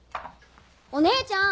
お姉ちゃん！